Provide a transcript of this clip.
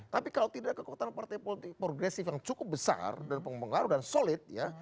tapi kalau tidak kekuatan partai politik progresif yang cukup besar dan pengaruh dan solid ya